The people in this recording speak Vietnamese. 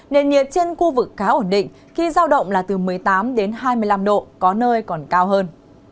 nền nhiệt trên khu vực khá ổn định khi giao động là từ một mươi tám đến hai mươi năm độ có nơi còn cao hơn